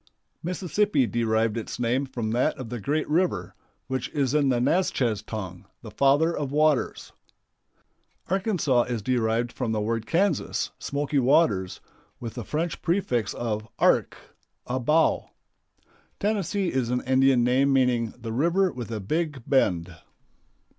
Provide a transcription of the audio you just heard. Mississippi derived its name from that of the great river, which is in the Natchez tongue "The Father of Waters." Arkansas is derived from the word Kansas, "smoky waters," with the French prefix of "ark," a bow. Tennessee is an Indian name, meaning "the river with a big bend."